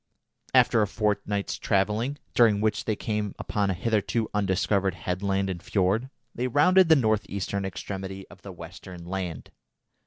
After a fortnight's travelling, during which they came upon a hitherto undiscovered headland and fjord, they rounded the north eastern extremity of the western land.